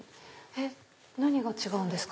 何が違うんですか？